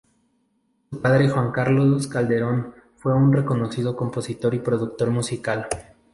Su padre Juan Carlos Calderón fue un reconocido compositor y productor musical.